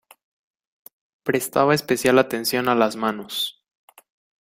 Prestaba especial atención a las manos.